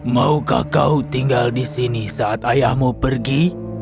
maukah kau tinggal di sini saat ayahmu pergi